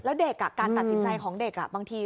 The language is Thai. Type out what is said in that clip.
แล้วเด็กการตัดสินใจของเด็กบางที